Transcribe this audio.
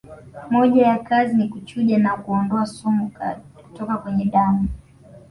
Moja ya kazi ni kuchuja na kuondoa sumu kutoka kwenye damu